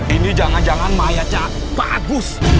ini jangan jangan mayatnya bagus